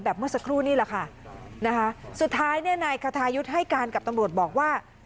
เมื่อสักครู่นี่แหละค่ะนะคะสุดท้ายเนี่ยนายคทายุทธ์ให้การกับตำรวจบอกว่า